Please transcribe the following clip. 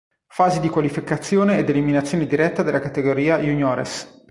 Fasi di qualificazione ed eliminazione diretta della Categoria Juniores.